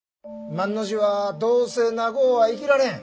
万の字はどうせ長うは生きられん。